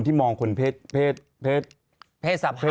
ที่มองคนเพศ